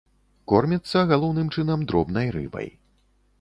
Корміцца, галоўным чынам, дробнай рыбай.